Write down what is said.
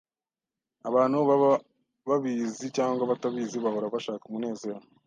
Abantu, baba babizi cyangwa batabizi, bahora bashaka umunezero.